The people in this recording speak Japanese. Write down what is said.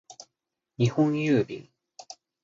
日本郵便